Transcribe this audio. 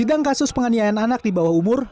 sidang kasus penganiayaan anak di bawah umur